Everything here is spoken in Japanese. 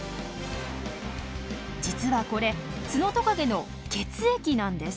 実はこれツノトカゲの血液なんです！